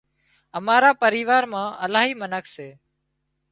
امارا پريوار مان الاهي منک سي